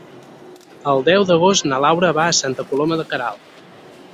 El deu d'agost na Laura va a Santa Coloma de Queralt.